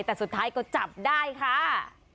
แต่สุดท้ายก็จับได้ค่ะ